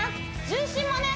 重心もね